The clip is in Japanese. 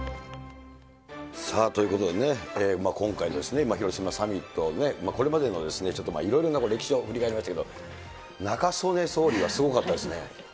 さあ、ということでね、今回の広島サミット、これまでのちょっと、いろいろな歴史を振り返りましたけど、中曽根総理はすごかったですね。